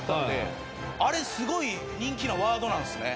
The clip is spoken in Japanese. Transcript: あれすごい人気なワードなんすね。